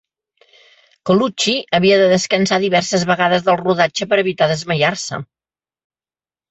Colucci havia de descansar diverses vegades del rodatge per evitar desmaiar-se.